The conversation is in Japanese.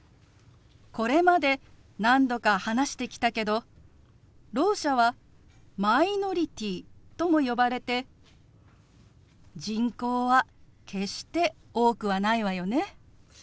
これまで何度か話してきたけどろう者はマイノリティーとも呼ばれて人口は決して多くはないわよね。